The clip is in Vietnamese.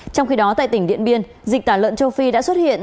trong khi đó tại tỉnh điện biên dịch tả lợn châu phi đã xuất hiện